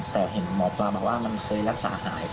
แต่เห็นหมอปลาบอกว่ามันเคยรักษาหาย